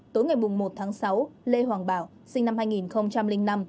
tối ngày một tháng sáu lê hoàng bảo sinh năm hai nghìn năm